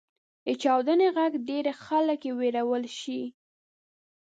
• د چاودنې ږغ ډېری خلک وېرولی شي.